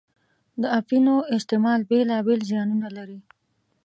د اپینو استعمال بېلا بېل زیانونه لري.